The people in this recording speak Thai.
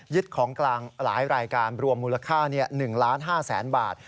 ของกลางหลายรายการรวมมูลค่า๑๕๐๐๐๐บาท